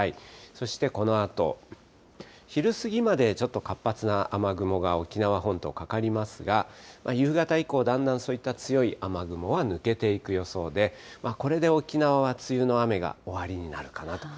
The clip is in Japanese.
そしてこのあと、昼過ぎまで、ちょっと活発な雨雲が沖縄本島かかりますが、夕方以降、だんだんそういった強い雨雲は抜けていく予想で、これで沖縄は梅雨の雨が終わりになるかなと。